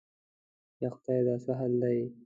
یا خدایه دا څه حال دی؟